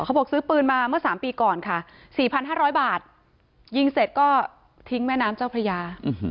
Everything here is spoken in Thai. เขาบอกซื้อปืนมาเมื่อ๓ปีก่อนค่ะ๔๕๐๐บาทยิงเสร็จก็ทิ้งแม่น้ำเจ้าพระยา